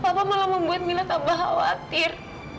papa malah membuat mila tak bahawatir